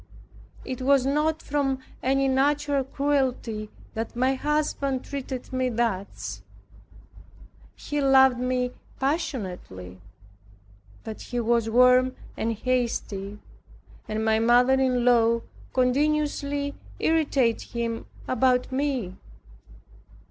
It was not from any natural cruelty that my husband treated me thus; he loved me passionately, but he was warm and hasty, and my mother in law continually irritated him about me.